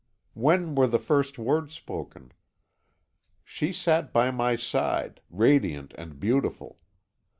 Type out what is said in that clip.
When were the first words spoken? "She sat by my side, radiant and beautiful.